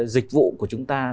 dịch vụ của chúng ta